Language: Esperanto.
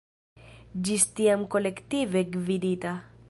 Ĝis tiam kolektive gvidita.